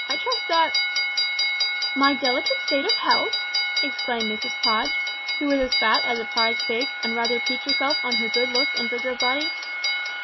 I trust that " "My delicate state of health!" exclaimed Mrs Podge, who was as fat as a prize pig, and rather piqued herself on her good looks and vigour of body.